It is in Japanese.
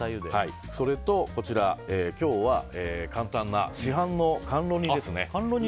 それと今日は簡単な市販の甘露煮ですね。